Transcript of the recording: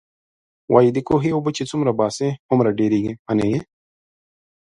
وايي د کوهي اوبه چې څومره باسې، هومره ډېرېږئ. منئ يې؟